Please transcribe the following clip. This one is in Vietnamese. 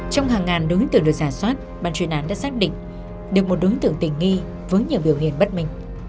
trong hàng ngàn đối tượng được giả soát bàn truyền án đã xác định được một đối tượng tình nghi với nhiều biểu hiện bất mình